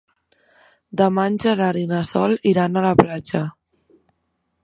Demà en Gerard i na Sol iran a la platja.